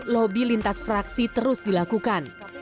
lobby lintas fraksi terus dilakukan